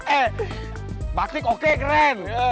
eh batik oke keren